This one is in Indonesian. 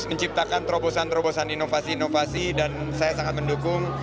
menciptakan terobosan terobosan inovasi inovasi dan saya sangat mendukung